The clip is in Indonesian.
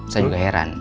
saya juga heran